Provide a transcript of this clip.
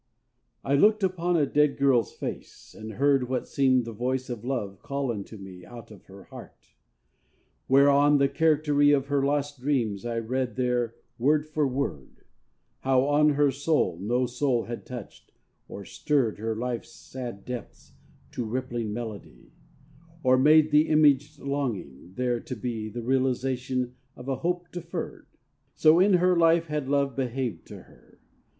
I looked upon a dead girl's face and heard What seemed the voice of Love call unto me Out of her heart; whereon the charactery Of her lost dreams I read there word for word: How on her soul no soul had touched, or stirred Her Life's sad depths to rippling melody, Or made the imaged longing, there, to be The realization of a hope deferred. So in her life had Love behaved to her.